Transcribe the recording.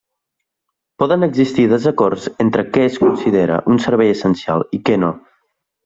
Poden existir desacords entre què es considera un servei essencial i què no.